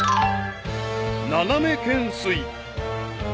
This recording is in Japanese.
［斜め懸垂］